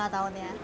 satu lima tahun ya